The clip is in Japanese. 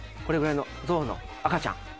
これぐらいのゾウの赤ちゃん。